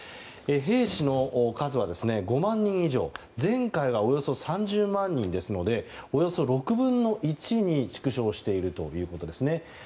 兵士の数は５万人以上前回は３０万人ですのでおよそ６分の１に縮小しているということですね。